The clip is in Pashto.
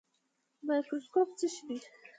مایکروسکوپ څه شی دی؟